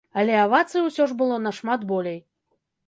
Але авацый усё ж было нашмат болей.